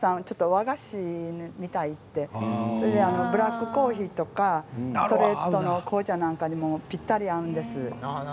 和菓子みたいってそれでブラックコーヒーとかストレートの紅茶なんかにもぴったり合うんです。